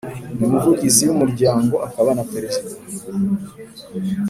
N umuvugizi w umuryango akaba na perezida